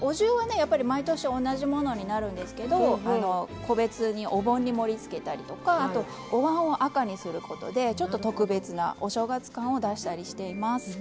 やっぱり毎年同じものになるんですけど個別にお盆に盛りつけたりとかおわんを赤にすることでちょっと特別なお正月感を出したりしています。